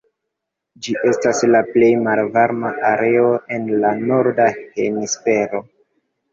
Ĝi estas la plej malvarma areo en la norda hemisfero.